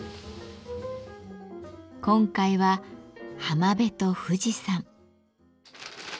今回は浜辺と富士山。